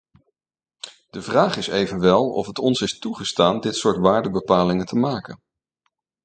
De vraag is evenwel of het ons is toegestaan dit soort waardebepalingen te maken.